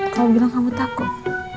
kalau bilang kamu takut